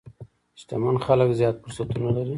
شتمن خلک زیات فرصتونه لري.